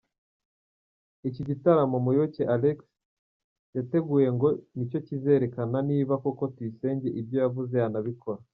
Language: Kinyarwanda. Iki gitaramo Muyoboke Alex yateguye ngo nicyo kizerekana niba koko Tuyisenge ibyo yavuze yanabikora.